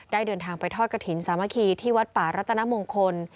เดินทางไปทอดกระถิ่นสามัคคีที่วัดป่ารัตนมงคล